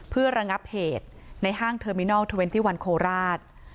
เพื่อระงับเหตุในห้างเทอร์มินอลเทอร์เนตี้วันโคราช